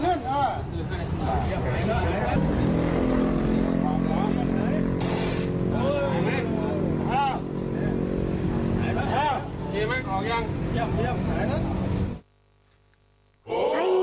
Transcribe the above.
เห็นไหมหา